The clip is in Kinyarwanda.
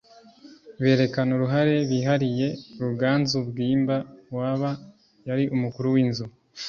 Berekana uruhare bihariye Ruganzu Bwimba waba yari umukuru w inzu